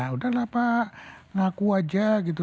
udah lah pak ngaku aja gitu